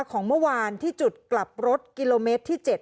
ของเมื่อวานที่จุดกลับรถกิโลเมตรที่๗